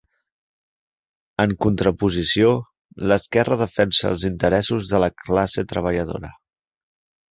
En contraposició, l'esquerra defensa els interessos de la classe treballadora.